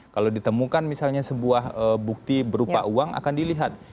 kalau ditemukan misalnya sebuah bukti berupa uang akan dilihat